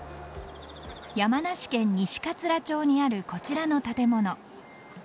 山梨県西桂町にあるこちらの建物。